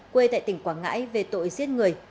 quê tại tỉnh quảng ngãi về tội giết người